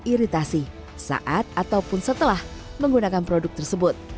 jika timbul gejala iritasi saat ataupun setelah menggunakan produk tersebut